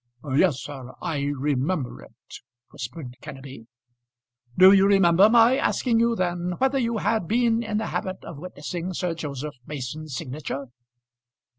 "Yes, sir, I remember it," whispered Kenneby. "Do you remember my asking you then whether you had been in the habit of witnessing Sir Joseph Mason's signature?"